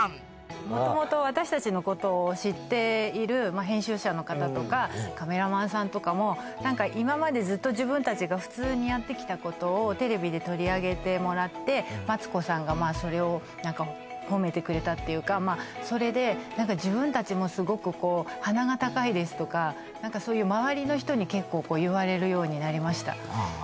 元々私たちのことを知っているまあ編集者の方とかカメラマンさんとかも何か今までずっと自分たちが普通にやってきたことをテレビで取り上げてもらってマツコさんがまあそれを何か褒めてくれたっていうかまあそれで何か自分たちもすごくこう鼻が高いですとか何かそういう周りの人に結構言われるようになりましたああああ